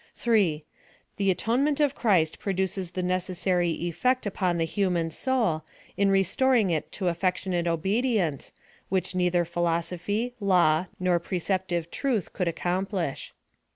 3. TliE ATONEMENT OP CHRIST PRODUCES THE NE CESSARY EFFECT UPON THE HUMAN SOUL, IN RESTORING IT TO AFFCTIONATE OBEDIENCE, WHICH NElTilER PHILOSOPHY, LAW, NOR PRE CEPTIVE TRUTH, COULD ACCOMPLISH.